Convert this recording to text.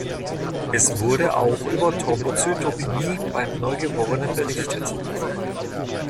Es wurde auch über Thrombozytopenie beim Neugeborenen berichtet.